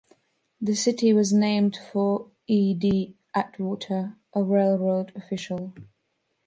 The city was named for E. D. Atwater, a railroad official.